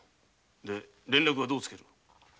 で連絡はどうつける？